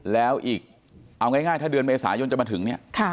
แล้วอีกเอาง่ายถ้าเดือนเมษายนจะมาถึงเนี่ย